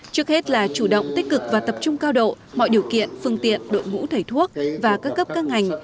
trước hết là chủ động tích cực và tập trung cao độ mọi điều kiện phương tiện đội ngũ thầy thuốc và các cấp các ngành